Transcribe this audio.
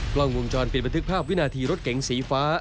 กล้องวงจรปิดบันทึกภาพวินาทีรถเก๋งสีฟ้า